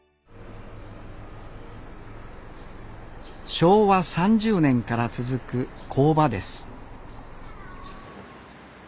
昭和３０年から続く工場です